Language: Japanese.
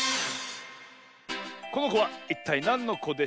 このこはいったいなんのこでしょう？